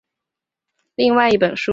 另外一本书。